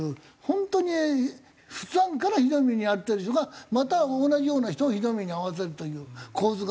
本当に普段からひどい目に遭ってる人がまた同じような人をひどい目に遭わせるという構図ができてて。